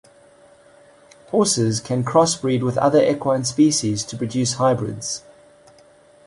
Horses can crossbreed with other equine species to produce hybrids.